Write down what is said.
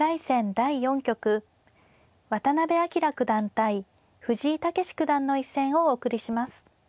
第４局渡辺明九段対藤井猛九段の一戦をお送りします。